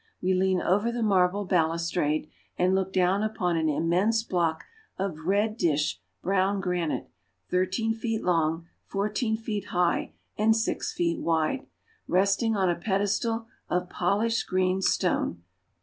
We lean over the marble bal ustrade and look down upon an im mense block of red dish brown granite thirteen feet long, fourteen feet high, and six feet wide, resting on a pedestal of polished green stone.